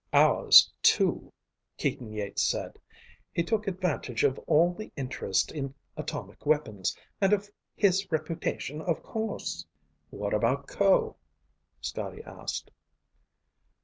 "Ours, too," Keaton Yeats said. "He took advantage of all the interest in atomic weapons. And of his reputation, of course." "What about Ko?" Scotty asked.